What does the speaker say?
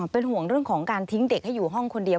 เป็นห่วงเรื่องของการทิ้งเด็กให้อยู่ห้องคนเดียว